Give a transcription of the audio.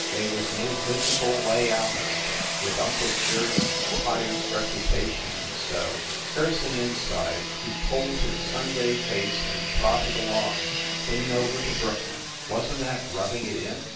They was no visible way out of it, with Uncle Jerdon s pious rep utation, and so, cursing inside, he pulled his Sunday face and trotted along, clean over to Brooklyn. Wasn t that rubbing it in